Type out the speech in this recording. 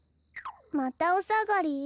またおさがり？